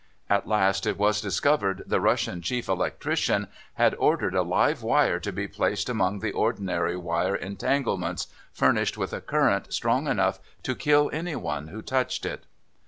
At last it was discovered the Russian chief electrician had ordered a "live" wire to be placed among the ordinary wire entanglements, furnished with a current strong enough to kill anyone who touched it.